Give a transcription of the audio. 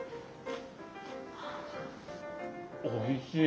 おいしい。